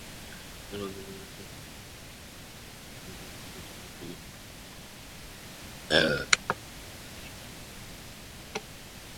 তাঁর অধীনেই বাংলাদেশের সঙ্গে প্রথমবারের টেস্ট ড্র করতে বাধ্য হয়েছে দক্ষিণ আফ্রিকা।